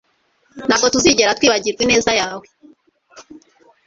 Ntabwo tuzigera twibagirwa ineza yawe